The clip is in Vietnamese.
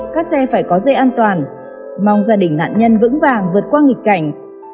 các xe phải có dây an toàn mong gia đình nạn nhân vững vàng vượt qua nghịch cảnh